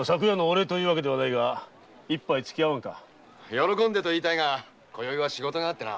喜んでと言いたいが今宵は仕事があってな。